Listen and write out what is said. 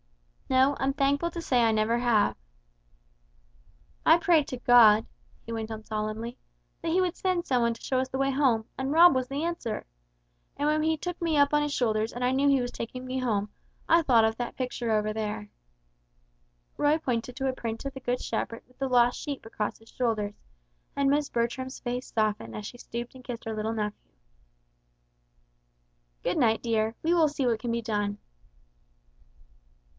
"No, I'm thankful to say I never have." "I prayed to God," he went on solemnly; "that He would send some one to show us the way home, and Rob was the answer. And when he took me up on his shoulders and I knew he was taking me home, I thought of that picture over there!" Roy pointed to a print of the Good Shepherd with the lost sheep across his shoulders, and Miss Bertram's face softened as she stooped and kissed her little nephew. "Good night dear. We will see what can be done."